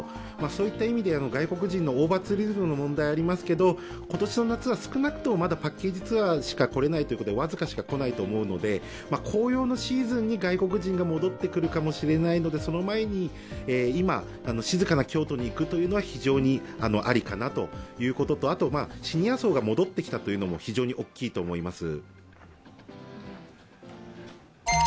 そういった意味で、外国人のオーバーツーリズムの問題がありますけど今年の夏は少なくともまだパッケージツアーしか来られないということで、僅かしか来ないと思うので、紅葉のシーズンに外国人が戻ってくるかもしれないので、その前に今、静かな京都に行くというのは非常にアリかなというのと、あとシニア層が戻ってきたのも非常に大きいと思います。